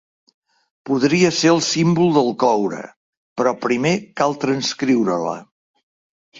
Podria ser el símbol del coure, però primer cal transcriure-la.